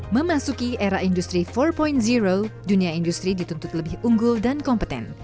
memasuki era industri empat dunia industri dituntut lebih unggul dan kompeten